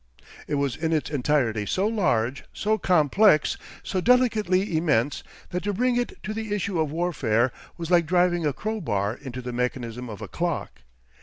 It was in its entirety so large, so complex, so delicately immense, that to bring it to the issue of warfare was like driving a crowbar into the mechanism of a clock.